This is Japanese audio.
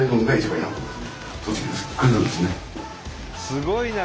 すごいな！